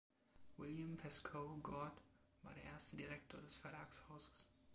William Pascoe Goard war der erste Direktor des Verlagshauses.